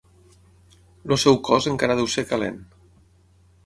El seu cos encara deu ser calent.